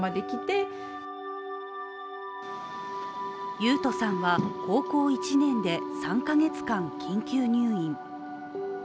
雄斗さんは高校１年で３か月間、緊急入院。